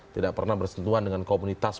tidak pernah bersentuhan dengan komunitas